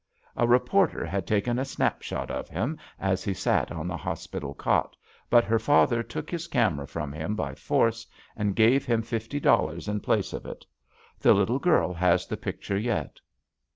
A re porter had taken a snapshot of him as he sat on the hospital cot, but her father took his camera from him by force and gave him fifty dollars in place of it. The little girl has the picture yet."